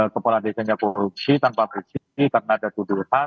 kepala desanya korupsi tanpa subsidi karena ada tuduhan